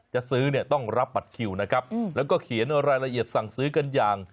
จะซื้อเนี่ยต้องรับบัตรคิวนะครับแล้วก็เขียนรายละเอียดสั่งซื้อกันอย่าง